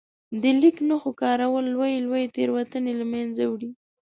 د لیک نښو کارول لويې لويې تېروتنې له منځه وړي.